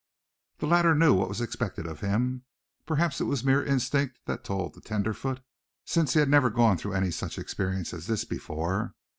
The latter knew what was expected of him. Perhaps it was mere instinct that told the tenderfoot, since he had never gone through any such experience as this before.